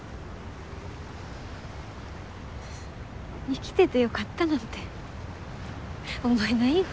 生きててよかったなんて思えないよ。